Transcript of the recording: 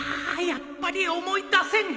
やっぱり思い出せん